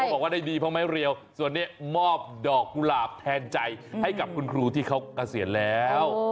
บอกว่าได้ดีเพราะไม้เรียวส่วนนี้มอบดอกกุหลาบแทนใจให้กับคุณครูที่เขาเกษียณแล้ว